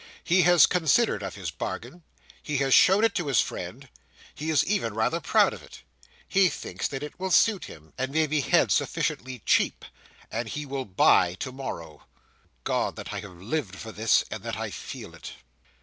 He has considered of his bargain; he has shown it to his friend; he is even rather proud of it; he thinks that it will suit him, and may be had sufficiently cheap; and he will buy to morrow. God, that I have lived for this, and that I feel it!"